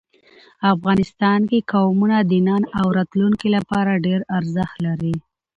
افغانستان کې قومونه د نن او راتلونکي لپاره ډېر ارزښت لري.